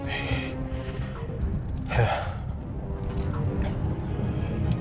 gue harus hilangkan semua barang bukti